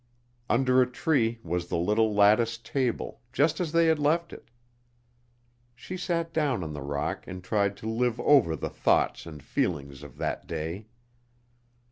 Under a tree was the little lattice table, just as they had left it. She sat down on the rock and tried to live over the thoughts and feelings of that day.